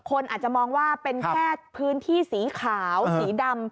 คนอาจจะมองว่าเป็นแค่พื้นที่สีขาวสีดำ